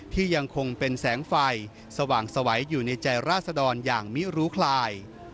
ยังคงเป็นแสงไฟสว่างสวัยอยู่ในใจราศดรอย่างมิรู้คลาย